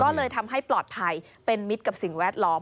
ก็เลยทำให้ปลอดภัยเป็นมิตรกับสิ่งแวดล้อม